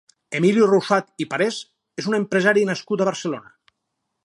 Emili Rousaud i Parés és un empresari nascut a Barcelona.